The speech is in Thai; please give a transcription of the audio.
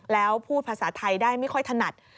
แล้วพูดภาษาไทยได้ไม่ค่อยถนัด